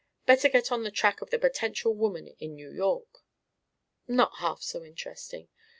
Better get on the track of the potential woman in New York." "Not half so interesting.